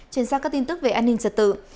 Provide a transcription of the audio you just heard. chuyển sang các tin tức về an ninh trật tự